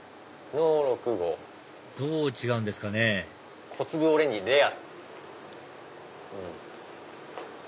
どう違うんですかね「小粒オレンジレア」。